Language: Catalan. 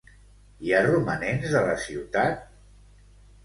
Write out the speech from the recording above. Hi ha romanents de la ciutat?